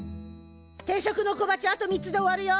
定食の小鉢あと３つで終わるよ！